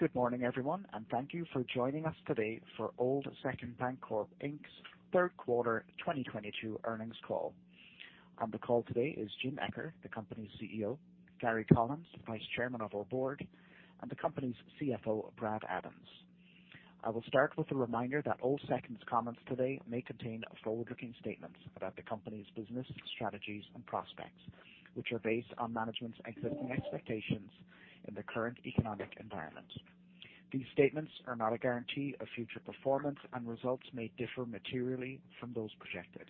Good morning, everyone, and thank you for joining us today for Old Second Bancorp, Inc.'s third quarter 2022 earnings call. On the call today is James Eccher, the company's CEO, Gary Collins, Vice Chairman of our board, and the company's CFO, Brad Adams. I will start with a reminder that Old Second's comments today may contain forward-looking statements about the company's business, strategies and prospects, which are based on management's existing expectations in the current economic environment. These statements are not a guarantee of future performance, and results may differ materially from those projected.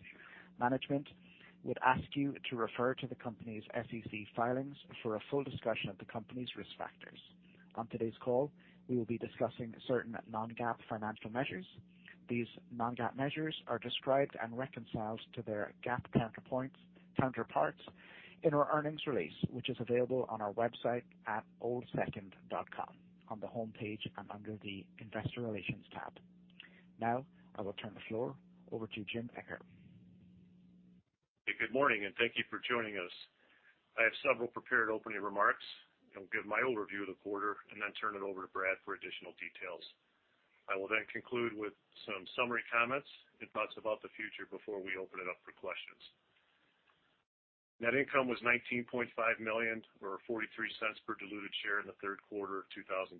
Management would ask you to refer to the company's SEC filings for a full discussion of the company's risk factors. On today's call, we will be discussing certain non-GAAP financial measures. These non-GAAP measures are described and reconciled to their GAAP counterparts in our earnings release, which is available on our website at oldsecond.com on the homepage and under the Investor Relations tab. Now, I will turn the floor over to James Eccher. Good morning, and thank you for joining us. I have several prepared opening remarks. I'll give my overview of the quarter and then turn it over to Bradley for additional details. I will then conclude with some summary comments and thoughts about the future before we open it up for questions. Net income was $19.5 million or $0.43 per diluted share in the third quarter of 2022.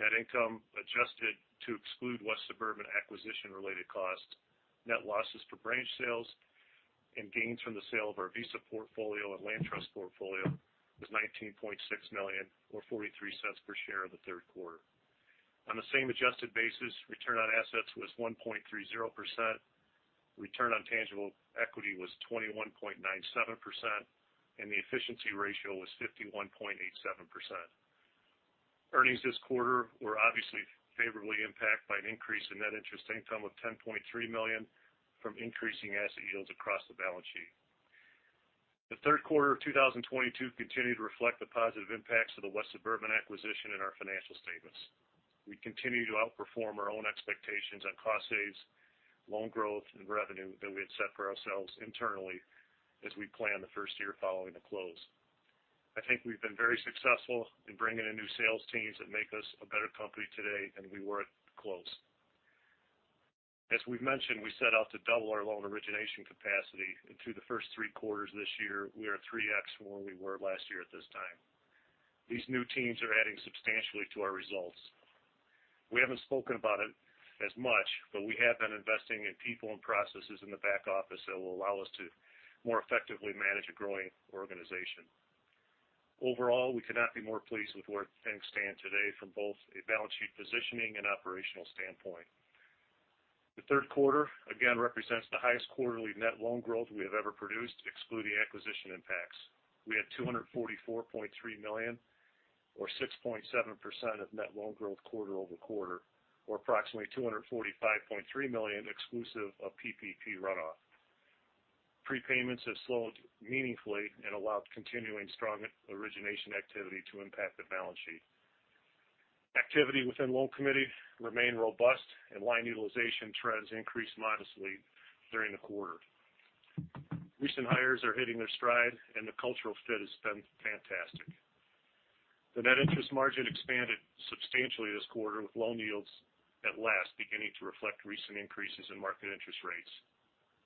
Net income adjusted to exclude West Suburban acquisition-related costs, net losses for branch sales and gains from the sale of our Visa portfolio and land trust portfolio was $19.6 million or $0.43 per share in the third quarter. On the same adjusted basis, return on assets was 1.30%. Return on tangible equity was 21.97%, and the efficiency ratio was 51.87%. Earnings this quarter were obviously favorably impacted by an increase in net interest income of $10.3 million from increasing asset yields across the balance sheet. The third quarter of 2022 continued to reflect the positive impacts of the West Suburban acquisition in our financial statements. We continue to outperform our own expectations on cost savings, loan growth, and revenue that we had set for ourselves internally as we plan the first year following the close. I think we've been very successful in bringing in new sales teams that make us a better company today than we were at close. As we've mentioned, we set out to double our loan origination capacity, and through the first three quarters of this year, we are at 3x from where we were last year at this time. These new teams are adding substantially to our results. We haven't spoken about it as much, but we have been investing in people and processes in the back office that will allow us to more effectively manage a growing organization. Overall, we could not be more pleased with where things stand today from both a balance sheet positioning and operational standpoint. The third quarter again represents the highest quarterly net loan growth we have ever produced, excluding acquisition impacts. We had $244.3 million or 6.7% of net loan growth quarter-over-quarter or approximately $245.3 million exclusive of PPP runoff. Prepayments have slowed meaningfully and allowed continuing strong origination activity to impact the balance sheet. Activity within loan committee remained robust and line utilization trends increased modestly during the quarter. Recent hires are hitting their stride and the cultural fit has been fantastic. The net interest margin expanded substantially this quarter with loan yields at last beginning to reflect recent increases in market interest rates.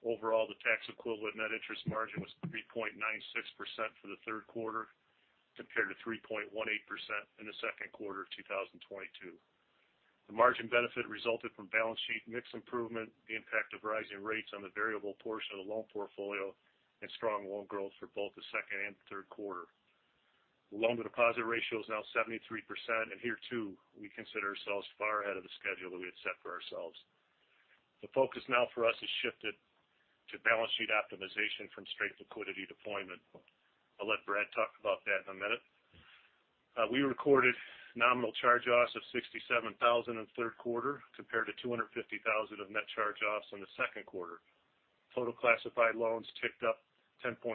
Overall, the tax equivalent net interest margin was 3.96% for the third quarter, compared to 3.18% in the second quarter of 2022. The margin benefit resulted from balance sheet mix improvement, the impact of rising rates on the variable portion of the loan portfolio, and strong loan growth for both the second and third quarter. The loan-to-deposit ratio is now 73%, and here too, we consider ourselves far ahead of the schedule that we had set for ourselves. The focus now for us has shifted to balance sheet optimization from straight liquidity deployment. I'll let Bradley talk about that in a minute. We recorded nominal charge-offs of $67,000 in the third quarter compared to $250,000 of net charge-offs in the second quarter. Total classified loans ticked up $10.6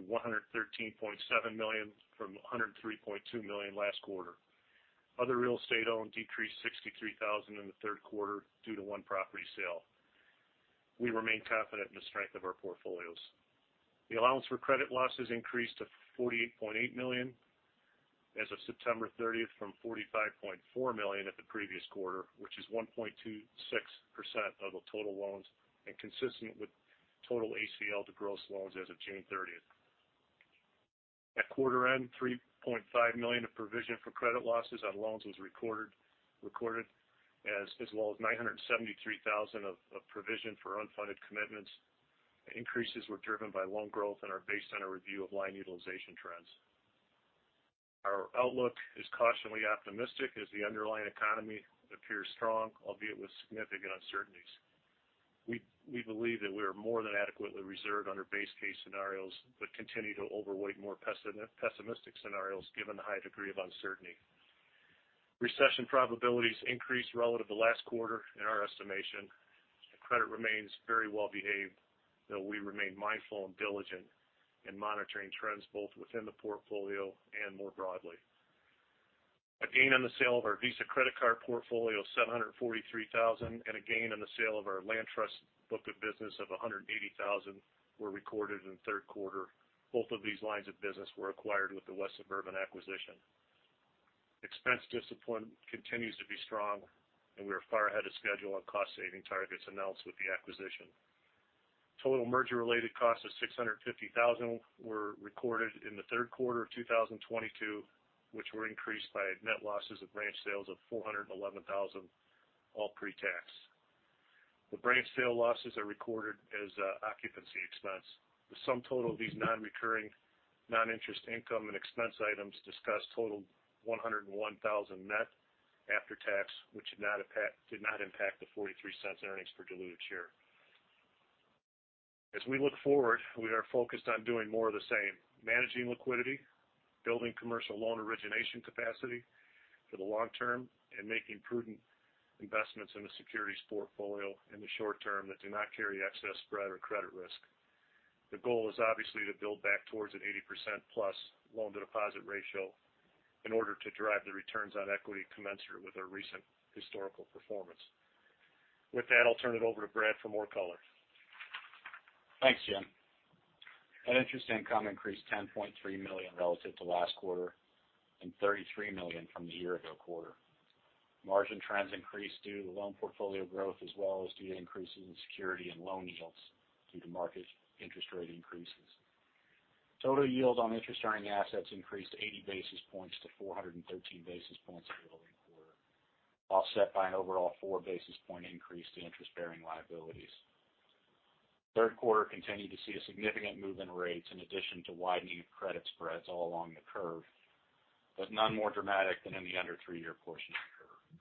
million-$113.7 million from $103.2 million last quarter. Other real estate owned decreased $63,000 in the third quarter due to one property sale. We remain confident in the strength of our portfolios. The allowance for credit losses increased to $48.8 million as of September 30th from $45.4 million at the previous quarter, which is 1.26% of the total loans and consistent with total ACL to gross loans as of June 30th. At quarter end, $3.5 million of provision for credit losses on loans was recorded as well as $973,000 of provision for unfunded commitments. Increases were driven by loan growth and are based on a review of line utilization trends. Our outlook is cautiously optimistic as the underlying economy appears strong, albeit with significant uncertainties. We believe that we are more than adequately reserved under base case scenarios, but continue to overweight more pessimistic scenarios given the high degree of uncertainty. Recession probabilities increased relative to last quarter in our estimation. Credit remains very well behaved, though we remain mindful and diligent in monitoring trends both within the portfolio and more broadly. A gain on the sale of our Visa credit card portfolio of $743,000, and a gain on the sale of our land trust book of business of $180,000 were recorded in the third quarter. Both of these lines of business were acquired with the West Suburban acquisition. Expense discipline continues to be strong, and we are far ahead of schedule on cost-saving targets announced with the acquisition. Total merger-related costs of $650,000 were recorded in the third quarter of 2022, which were increased by net losses of branch sales of $411,000, all pre-tax. The branch sale losses are recorded as occupancy expense. The sum total of these non-recurring non-interest income and expense items discussed totaled $101,000 net after tax, which did not impact the $0.43 earnings per diluted share. As we look forward, we are focused on doing more of the same, managing liquidity, building commercial loan origination capacity for the long term, and making prudent investments in the securities portfolio in the short term that do not carry excess spread or credit risk. The goal is obviously to build back towards an 80%+ loan-to-deposit ratio in order to drive the returns on equity commensurate with our recent historical performance. With that, I'll turn it over to Bradley for more color. Thanks, Jim. Net interest income increased $10.3 million relative to last quarter and $33 million from the year-ago quarter. Margin trends increased due to loan portfolio growth as well as due to increases in security and loan yields due to market interest rate increases. Total yield on interest-earning assets increased 80 basis points-413 basis points in the quarter, offset by an overall 4 basis point increase to interest-bearing liabilities. Third quarter continued to see a significant move in rates in addition to widening of credit spreads all along the curve, but none more dramatic than in the under three-year portion of the curve.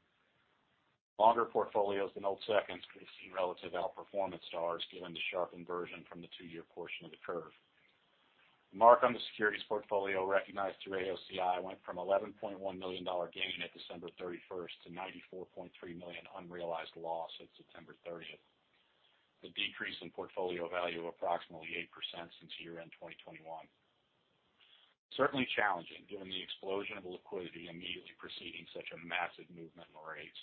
Longer portfolios than Old Second's could see relative outperformance to ours given the sharp inversion from the two-year portion of the curve. The mark on the securities portfolio recognized through AOCI went from $11.1 million gain at December 31st to $94.3 million unrealized loss at September 30th. The decrease in portfolio value approximately 8% since year-end 2021. Certainly challenging given the explosion of liquidity immediately preceding such a massive movement in rates.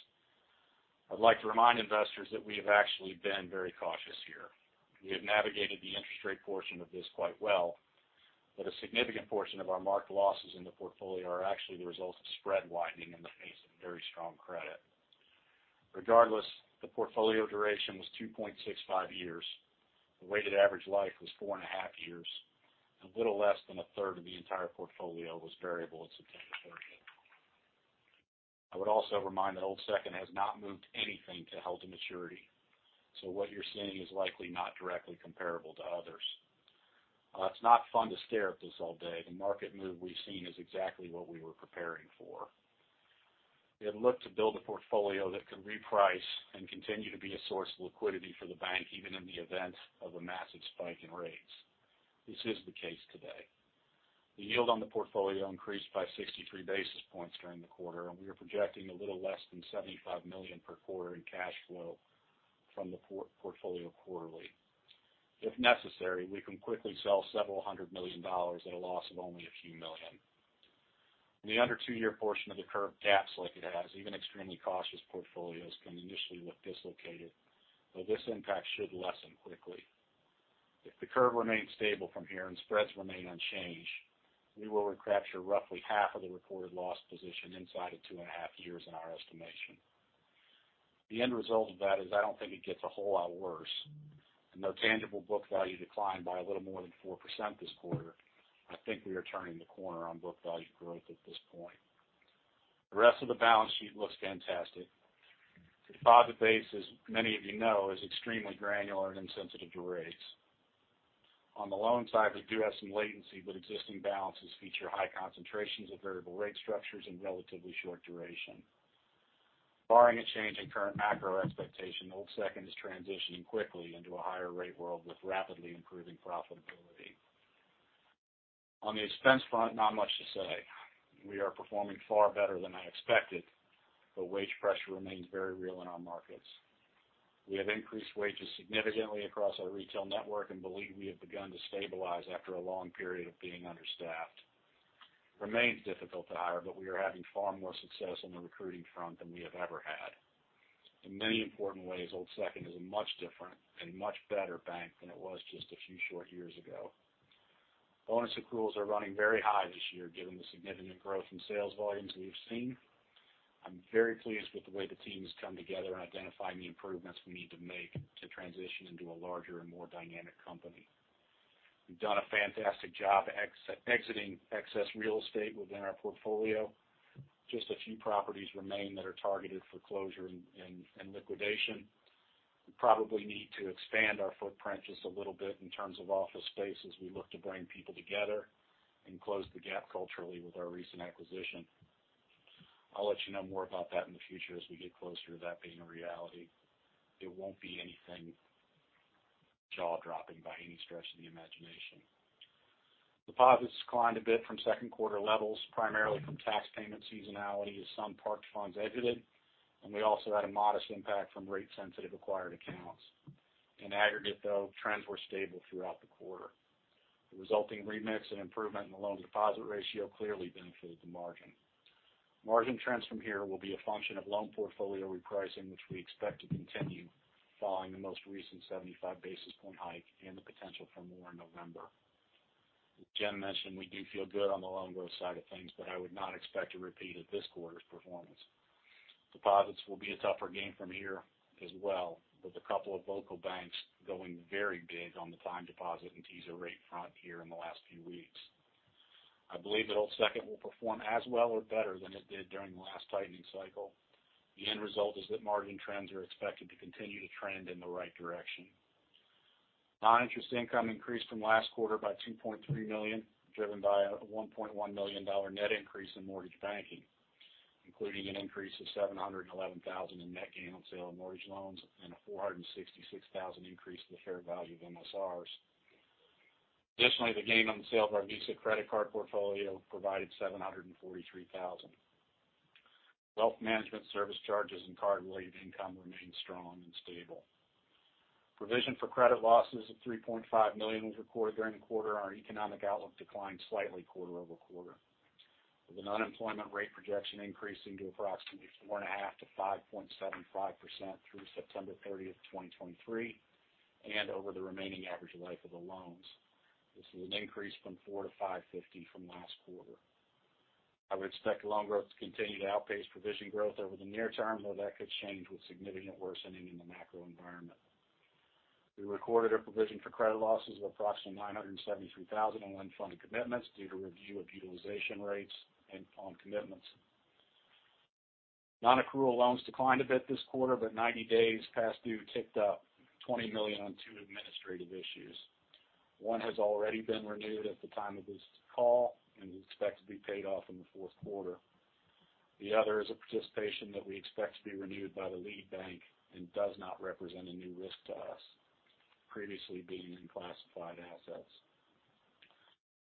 I'd like to remind investors that we have actually been very cautious here. We have navigated the interest rate portion of this quite well, but a significant portion of our marked losses in the portfolio are actually the result of spread widening in the face of very strong credit. Regardless, the portfolio duration was 2.65 years. The weighted average life was 4.5 years. A little less than a third of the entire portfolio was variable at September 30. I would also remind that Old Second has not moved anything to held-to-maturity, so what you're seeing is likely not directly comparable to others. It's not fun to stare at this all day. The market move we've seen is exactly what we were preparing for. We had looked to build a portfolio that could reprice and continue to be a source of liquidity for the bank, even in the event of a massive spike in rates. This is the case today. The yield on the portfolio increased by 63 basis points during the quarter, and we are projecting a little less than $75 million per quarter in cash flow from the portfolio quarterly. If necessary, we can quickly sell $several hundred million at a loss of only $a few million. In the under two-year portion of the curve gaps like it has, even extremely cautious portfolios can initially look dislocated, though this impact should lessen quickly. If the curve remains stable from here and spreads remain unchanged, we will recapture roughly half of the reported loss position inside of 2.5 years in our estimation. The end result of that is I don't think it gets a whole lot worse, and though tangible book value declined by a little more than 4% this quarter, I think we are turning the corner on book value growth at this point. The rest of the balance sheet looks fantastic. The deposit base, as many of you know, is extremely granular and insensitive to rates. On the loan side, we do have some latency, but existing balances feature high concentrations of variable rate structures and relatively short duration. Barring a change in current macro expectation, Old Second is transitioning quickly into a higher rate world with rapidly improving profitability. On the expense front, not much to say. We are performing far better than I expected, but wage pressure remains very real in our markets. We have increased wages significantly across our retail network and believe we have begun to stabilize after a long period of being understaffed. Remains difficult to hire, but we are having far more success on the recruiting front than we have ever had. In many important ways, Old Second is a much different and much better bank than it was just a few short years ago. Bonus accruals are running very high this year given the significant growth in sales volumes we've seen. I'm very pleased with the way the team has come together in identifying the improvements we need to make to transition into a larger and more dynamic company. We've done a fantastic job exiting excess real estate within our portfolio. Just a few properties remain that are targeted for closure and liquidation. We probably need to expand our footprint just a little bit in terms of office space as we look to bring people together and close the gap culturally with our recent acquisition. I'll let you know more about that in the future as we get closer to that being a reality. It won't be anything jaw-dropping by any stretch of the imagination. Deposits climbed a bit from second quarter levels, primarily from tax payment seasonality as some parked funds exited, and we also had a modest impact from rate-sensitive acquired accounts. In aggregate, though, trends were stable throughout the quarter. The resulting remix and improvement in the loan-to-deposit ratio clearly benefited the margin. Margin trends from here will be a function of loan portfolio repricing, which we expect to continue following the most recent 75 basis points hike and the potential for more in November. As Jim mentioned, we do feel good on the loan growth side of things, but I would not expect a repeat of this quarter's performance. Deposits will be a tougher game from here as well, with a couple of local banks going very big on the time deposit and teaser rate front here in the last few weeks. I believe that Old Second will perform as well or better than it did during the last tightening cycle. The end result is that margin trends are expected to continue to trend in the right direction. Non-interest income increased from last quarter by $2.3 million, driven by a $1.1 million net increase in mortgage banking, including an increase of $711 thousand in net gain on sale of mortgage loans and a $466 thousand increase in the fair value of MSRs. Additionally, the gain on the sale of our Visa credit card portfolio provided $743 thousand. Wealth management service charges and card related income remain strong and stable. Provision for credit losses of $3.5 million was recorded during the quarter, and our economic outlook declined slightly quarter-over-quarter, with an unemployment rate projection increasing to approximately 4.5%-5.75% through September 30th, 2023 and over the remaining average life of the loans. This is an increase from 4%-5.50% from last quarter. I would expect loan growth to continue to outpace provision growth over the near term, though that could change with significant worsening in the macro environment. We recorded a provision for credit losses of approximately $973,000 on unfunded commitments due to review of utilization rates and on commitments. Non-accrual loans declined a bit this quarter, but 90 days past due ticked up $20 million on two administrative issues. One has already been renewed at the time of this call and is expected to be paid off in the fourth quarter. The other is a participation that we expect to be renewed by the lead bank and does not represent a new risk to us previously being in classified assets.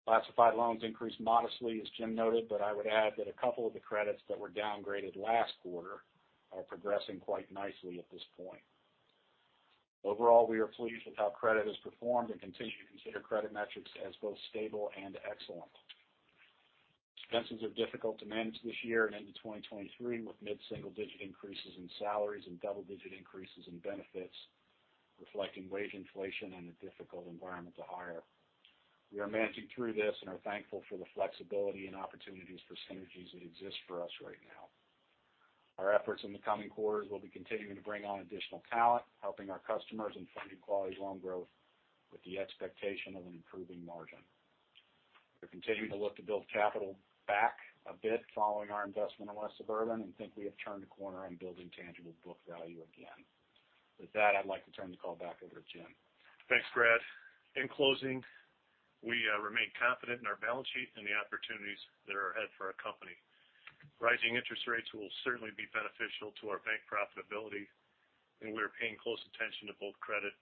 Classified loans increased modestly, as Jim noted, but I would add that a couple of the credits that were downgraded last quarter are progressing quite nicely at this point. Overall, we are pleased with how credit has performed and continue to consider credit metrics as both stable and excellent. Expenses are difficult to manage this year and into 2023, with mid-single-digit increases in salaries and double-digit increases in benefits, reflecting wage inflation and a difficult environment to hire. We are managing through this and are thankful for the flexibility and opportunities for synergies that exist for us right now. Our efforts in the coming quarters will be continuing to bring on additional talent, helping our customers and funding quality loan growth with the expectation of an improving margin. We're continuing to look to build capital back a bit following our investment in West Suburban and think we have turned a corner on building tangible book value again. With that, I'd like to turn the call back over to Jim. Thanks, Bradley. In closing, we remain confident in our balance sheet and the opportunities that are ahead for our company. Rising interest rates will certainly be beneficial to our bank profitability, and we are paying close attention to both credit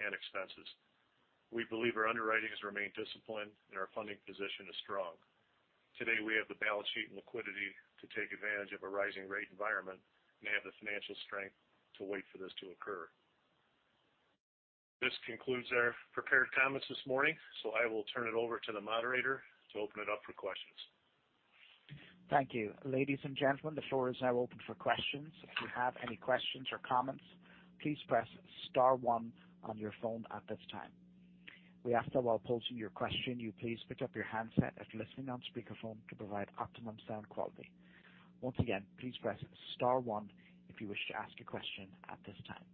and expenses. We believe our underwriting has remained disciplined, and our funding position is strong. Today, we have the balance sheet and liquidity to take advantage of a rising rate environment and have the financial strength to wait for this to occur. This concludes our prepared comments this morning, so I will turn it over to the moderator to open it up for questions. Thank you. Ladies and gentlemen, the floor is now open for questions. If you have any questions or comments, please press star one on your phone at this time. We ask that while posing your question, you please pick up your handset if listening on speakerphone to provide optimum sound quality. Once again, please press star one if you wish to ask a question at this time.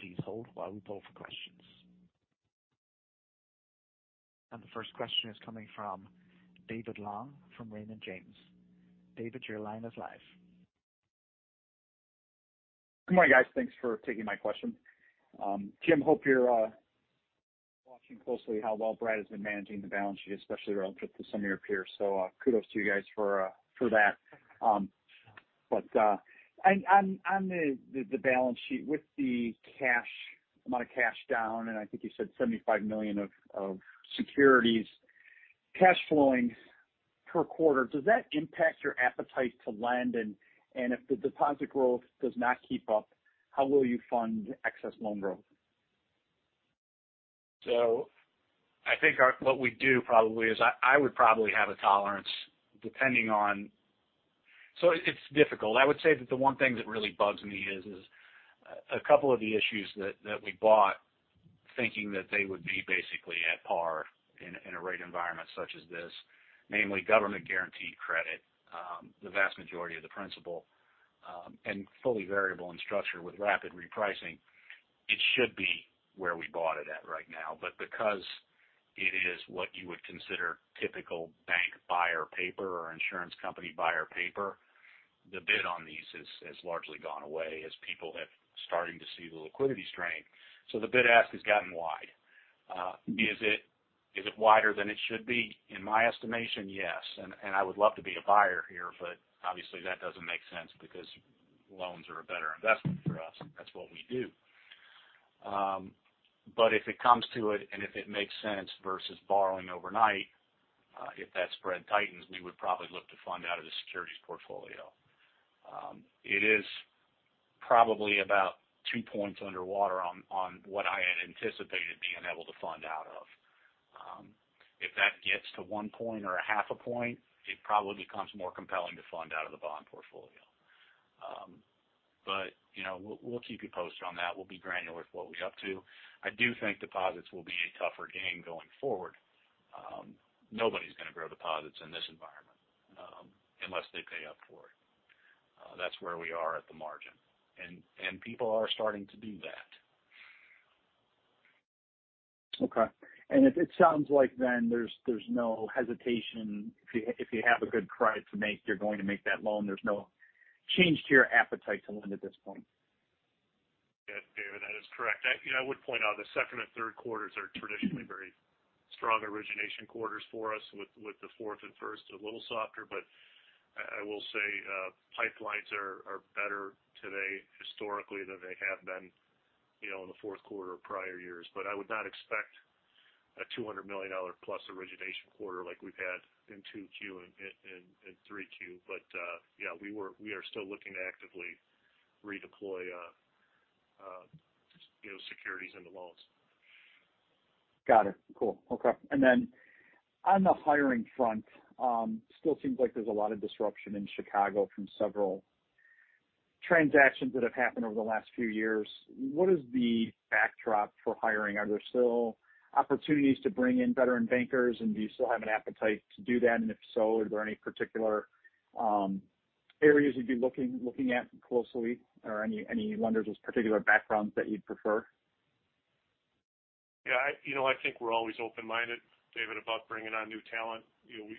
Please hold while we poll for questions. The first question is coming from David Long from Raymond James. David, your line is live. Good morning, guys. Thanks for taking my question. Jim, hope you're watching closely how well Brad has been managing the balance sheet, especially relative to some of your peers. Kudos to you guys for that. On the balance sheet with the cash amount of cash down, and I think you said $75 million of securities, cash flowing per quarter, does that impact your appetite to lend? And if the deposit growth does not keep up, how will you fund excess loan growth? I think what we'd do probably is I would probably have a tolerance depending on. It's difficult. I would say that the one thing that really bugs me is a couple of the issues that we bought thinking that they would be basically at par in a rate environment such as this, namely government-guaranteed credit, the vast majority of the principal, and fully variable in structure with rapid repricing. It should be where we bought it at right now. Because it is what you would consider typical bank buyer paper or insurance company buyer paper, the bid on these has largely gone away as people have started to see the liquidity strain. The bid-ask has gotten wide. Is it wider than it should be? In my estimation, yes. I would love to be a buyer here, but obviously, that doesn't make sense because loans are a better investment for us. That's what we do. If it comes to it, and if it makes sense versus borrowing overnight, if that spread tightens, we would probably look to fund out of the securities portfolio. It is probably about two points underwater on what I had anticipated being able to fund out of. If that gets to one point or a half a point, it probably becomes more compelling to fund out of the bond portfolio. You know, we'll keep you posted on that. We'll be granular with what we're up to. I do think deposits will be a tougher game going forward. Nobody's going to grow deposits in this environment, unless they pay up for it. That's where we are at the margin. People are starting to do that. Okay. It sounds like then there's no hesitation if you have a good credit to make, you're going to make that loan. There's no change to your appetite to lend at this point. Yeah. David, that is correct. You know, I would point out the second and third quarters are traditionally very strong origination quarters for us with the fourth and first a little softer. But I will say, pipelines are better today than historically than they have been, you know, in the fourth quarter of prior years. But I would not expect a $200 million-plus origination quarter like we've had in 2Q and 3Q. But yeah, we are still looking to actively redeploy, you know, securities into loans. Got it. Cool. Okay. On the hiring front, still seems like there's a lot of disruption in Chicago from several transactions that have happened over the last few years. What is the backdrop for hiring? Are there still opportunities to bring in veteran bankers? Do you still have an appetite to do that? If so, is there any particular areas you'd be looking at closely or any lenders with particular backgrounds that you'd prefer? Yeah, you know, I think we're always open-minded, David, about bringing on new talent. You know,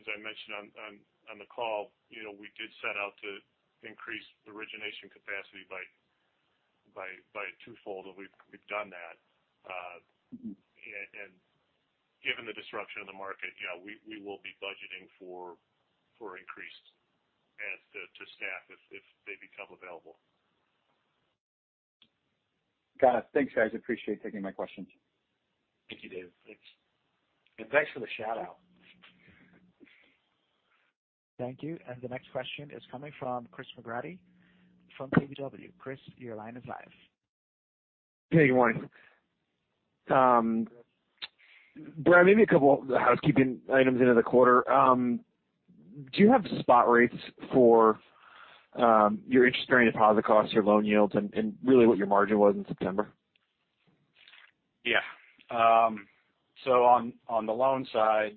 as I mentioned on the call, you know, we did set out to increase the origination capacity by twofold, and we've done that. Mm-hmm Given the disruption in the market, yeah, we will be budgeting for increased adds to staff if they become available. Got it. Thanks, guys. I appreciate you taking my questions. Thank you, David. Thanks. Thanks for the shout-out. Thank you. The next question is coming from Christopher McGratty from KBW. Chris, your line is live. Hey, good morning. Brad, maybe a couple of housekeeping items into the quarter. Do you have spot rates for your interest bearing deposit costs, your loan yields, and really what your margin was in September? Yeah. So on the loan side,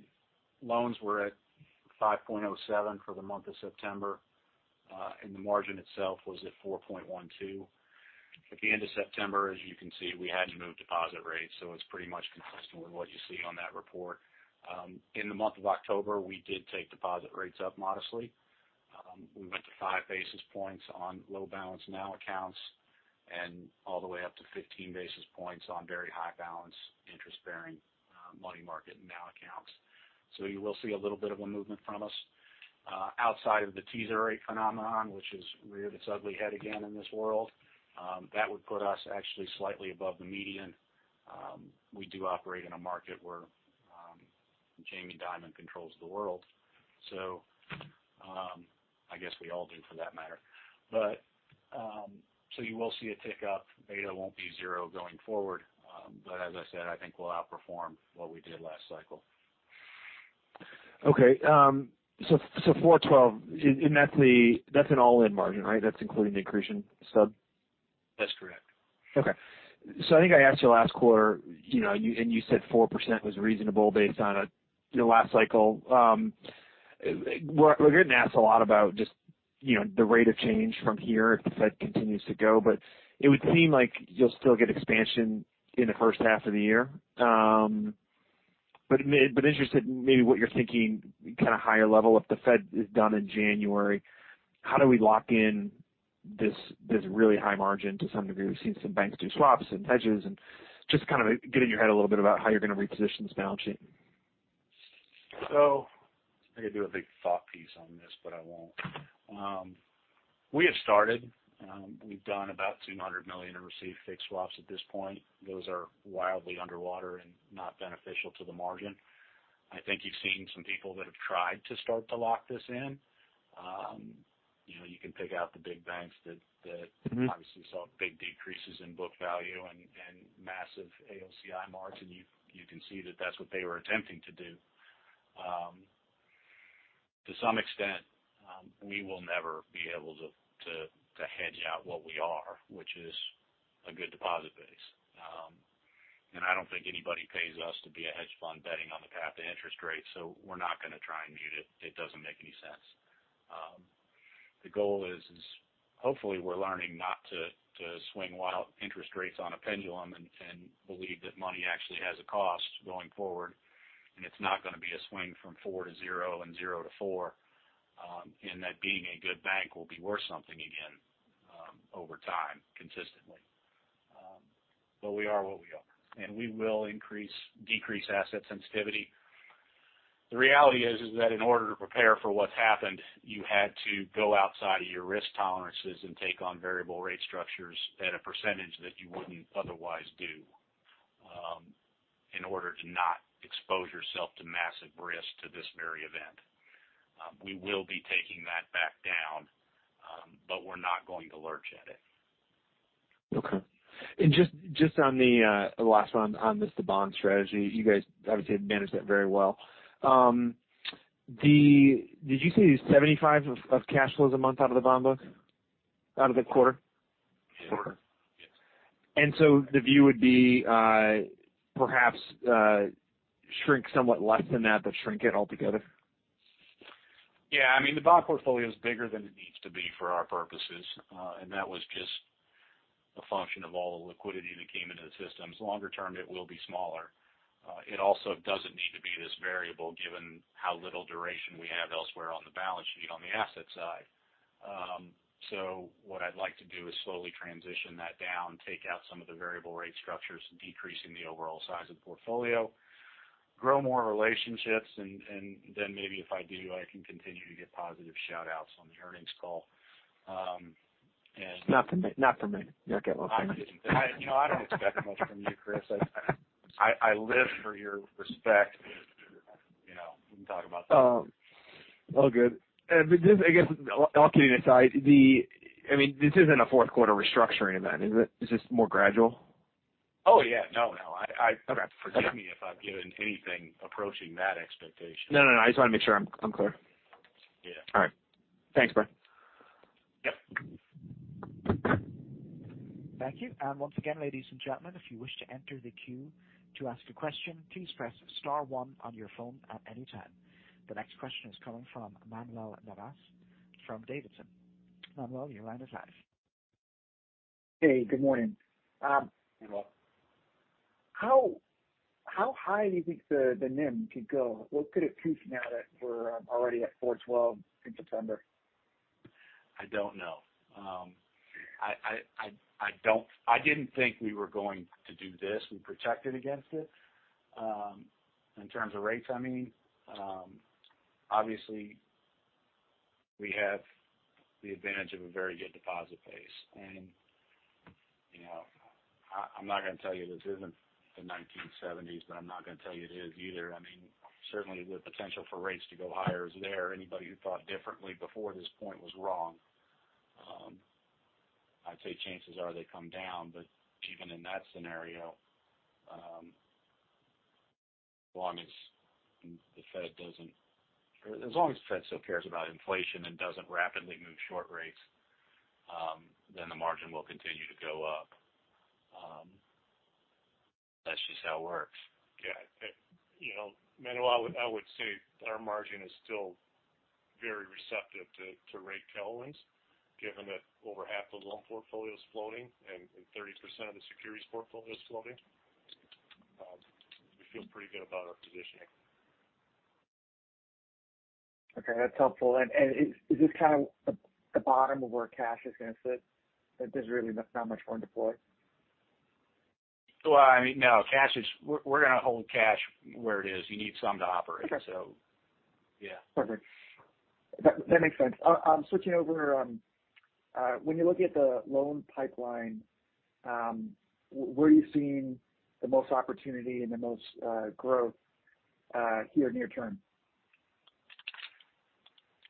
loans were at 5.07 for the month of September, and the margin itself was at 4.12. At the end of September, as you can see, we hadn't moved deposit rates, so it's pretty much consistent with what you see on that report. In the month of October, we did take deposit rates up modestly. We went to 5 basis points on low balance NOW accounts and all the way up to 15 basis points on very high balance interest-bearing money market NOW accounts. So you will see a little bit of a movement from us, outside of the teaser rate phenomenon, which has reared its ugly head again in this world. That would put us actually slightly above the median. We do operate in a market where Jamie Dimon controls the world. I guess we all do for that matter. You will see a tick up. Beta won't be zero going forward. As I said, I think we'll outperform what we did last cycle. Okay. 4.12, and that's an all-in margin, right? That's including the accretion sub? That's correct. Okay. I think I asked you last quarter, you know, and you said 4% was reasonable based on, you know, last cycle. We're going to ask a lot about just, you know, the rate of change from here if the Fed continues to go, but it would seem like you'll still get expansion in the first half of the year. But interested in maybe what you're thinking kind of higher level, if the Fed is done in January, how do we lock in this really high margin to some degree. We've seen some banks do swaps and hedges and just kind of get in your head a little bit about how you're going to reposition this balance sheet. I could do a big thought piece on this, but I won't. We have started. We've done about $200 million in receive fixed swap at this point. Those are wildly underwater and not beneficial to the margin. I think you've seen some people that have tried to start to lock this in. You know, you can pick out the big banks that. Mm-hmm Obviously saw big decreases in book value and massive AOCI margin. You can see that that's what they were attempting to do. To some extent, we will never be able to hedge out what we are, which is a good deposit base. I don't think anybody pays us to be a hedge fund betting on the path to interest rates, so we're not going to try and mute it. It doesn't make any sense. The goal is hopefully we're learning not to swing wild interest rates on a pendulum and believe that money actually has a cost going forward, and it's not going to be a swing from 4%-0% and 0%-4%. That being a good bank will be worth something again, over time, consistently. We are what we are. We will decrease asset sensitivity. The reality is that in order to prepare for what's happened, you had to go outside of your risk tolerances and take on variable rate structures at a percentage that you wouldn't otherwise do, in order to not expose yourself to massive risk to this very event. We will be taking that back down, but we're not going to lurch at it. Okay. Just on the last one on this, the bond strategy. You guys obviously have managed that very well. Did you say 75 of cash flows a month out of the bond book? Out of the quarter? Quarter. Yes. The view would be, perhaps, shrink somewhat less than that, but shrink it altogether. Yeah. I mean, the bond portfolio is bigger than it needs to be for our purposes. That was just a function of all the liquidity that came into the systems. Longer term, it will be smaller. It also doesn't need to be this variable given how little duration we have elsewhere on the balance sheet on the asset side. What I'd like to do is slowly transition that down, take out some of the variable rate structures, decreasing the overall size of the portfolio, grow more relationships and then maybe if I do, I can continue to get positive shout outs on the earnings call. Not from me. You're okay with me. You know, I don't expect much from you, Christopher. I live for your respect. You know, we can talk about that. All good. Just, I guess, all kidding aside, I mean, this isn't a fourth quarter restructuring event, is it? Is this more gradual? Oh, yeah. No. I Okay. Forgive me if I've given anything approaching that expectation. No, no. I just want to make sure I'm clear. Yeah. All right. Thanks, Bradley Adams. Yep. Thank you. Once again, ladies and gentlemen, if you wish to enter the queue to ask a question, please press star one on your phone at any time. The next question is coming from Manuel Navas from D.A. Davidson. Manuel, your line is live. Hey, good morning. Hello. How high do you think the NIM could go? What could it peak now that we're already at 4.12% in September? I don't know. I didn't think we were going to do this. We protected against it. In terms of rates, I mean. Obviously we have the advantage of a very good deposit base. You know, I'm not going to tell you this isn't the 1970s, but I'm not going to tell you it is either. I mean, certainly the potential for rates to go higher is there. Anybody who thought differently before this point was wrong. I'd say chances are they come down, but even in that scenario, as long as the Fed still cares about inflation and doesn't rapidly move short rates, then the margin will continue to go up. That's just how it works. Yeah. You know, Manuel, I would say our margin is still very receptive to rate tailwinds, given that over half the loan portfolio is floating and 30% of the securities portfolio is floating. We feel pretty good about our positioning. Okay. That's helpful. Is this kind of the bottom of where cash is going to sit? There's really not much more to deploy? Well, I mean, no, we're going to hold cash where it is. You need some to operate. Okay. Yeah. Perfect. That makes sense. Switching over, when you look at the loan pipeline, where are you seeing the most opportunity and the most growth here near term?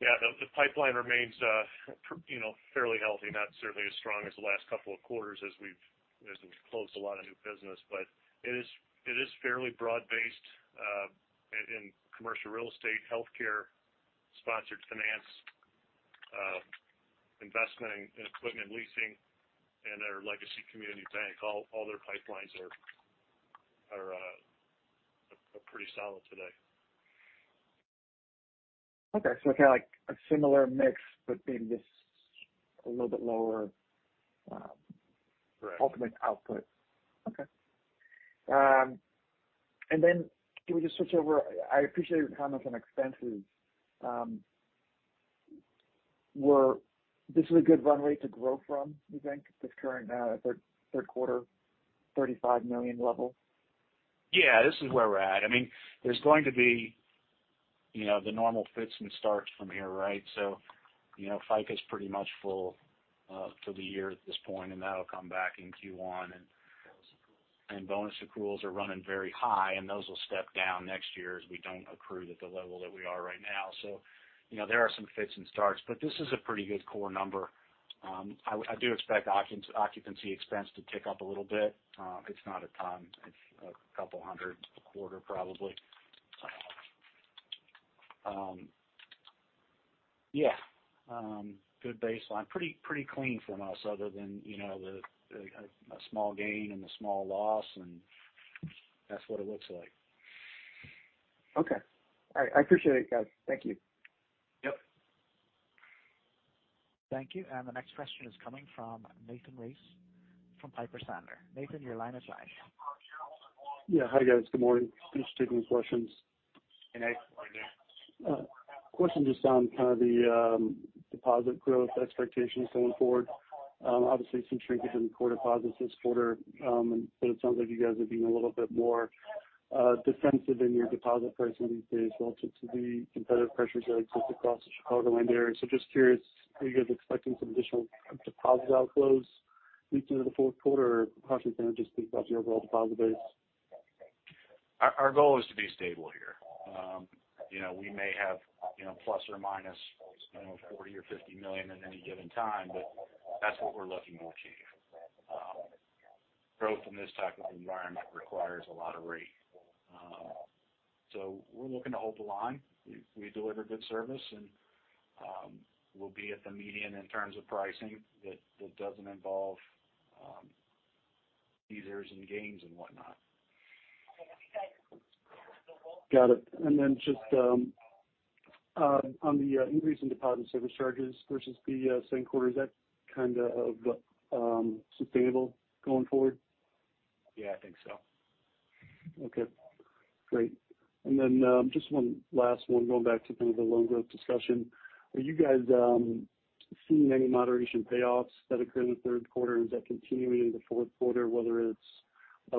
Yeah. The pipeline remains, you know, fairly healthy, not certainly as strong as the last couple of quarters as we've closed a lot of new business. It is fairly broad-based in commercial real estate, healthcare, Sponsor Finance, investment in equipment leasing and our legacy community bank. All their pipelines are pretty solid today. Okay. Kind of like a similar mix, but maybe just a little bit lower. Right. Okay. Can we just switch over? I appreciate your comments on expenses. This is a good runway to grow from, you think, this current third quarter $35 million level? Yeah. This is where we're at. I mean, there's going to be, you know, the normal fits and starts from here, right? FICA is pretty much full for the year at this point, and that'll come back in Q1. Bonus accruals are running very high, and those will step down next year as we don't accrue at the level that we are right now. There are some fits and starts, but this is a pretty good core number. I do expect occupancy expense to tick up a little bit. It's not a ton. It's $200 a quarter, probably. Yeah, good baseline. Pretty clean for most other than, you know, a small gain and a small loss, and that's what it looks like. Okay. All right. I appreciate it, guys. Thank you. Yep. Thank you. The next question is coming from Nathan Race from Piper Sandler. Nathan, your line is live. Yeah. Hi. Guys. Good morning. Thanks for taking the questions. Hey, Nathan. Good morning, Nathan. Question just on kind of the deposit growth expectations going forward. Obviously some shrinkage in core deposits this quarter. It sounds like you guys are being a little bit more defensive in your deposit pricing these days relative to the competitive pressures that exist across the Chicagoland area. Just curious, are you guys expecting some additional deposit outflows into the fourth quarter or pricing going to just be about the overall deposit base? Our goal is to be stable here. You know, we may have, you know, plus or minus, you know, $40-$50 million at any given time, but that's what we're looking to achieve. Growth in this type of environment requires a lot of rate. We're looking to hold the line. We deliver good service and we'll be at the median in terms of pricing that doesn't involve losses and gains and whatnot. Got it. Just on the increase in deposit service charges versus the same quarter, is that kind of sustainable going forward? Yeah, I think so. Okay, great. Just one last one, going back to kind of the loan growth discussion. Are you guys seeing any moderation payoffs that occurred in the third quarter? Is that continuing in the fourth quarter, whether it's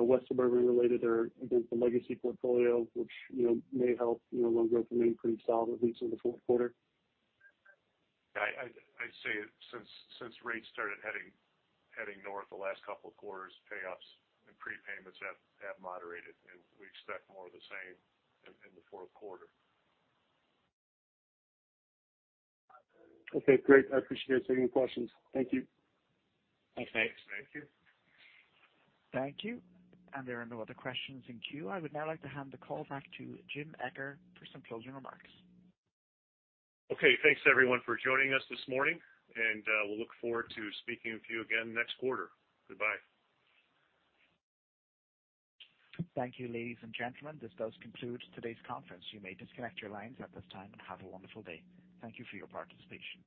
West Suburban related or against the legacy portfolio, which, you know, may help, you know, loan growth remain pretty solid at least in the fourth quarter? I'd say since rates started heading north the last couple of quarters, payoffs and prepayments have moderated, and we expect more of the same in the fourth quarter. Okay, great. I appreciate it. Take any questions. Thank you. Thanks. Thanks. Thank you. Thank you. There are no other questions in queue. I would now like to hand the call back to James Eccher for some closing remarks. Okay, thanks everyone for joining us this morning, and we'll look forward to speaking with you again next quarter. Goodbye. Thank you, ladies and gentlemen. This does conclude today's conference. You may disconnect your lines at this time and have a wonderful day. Thank you for your participation.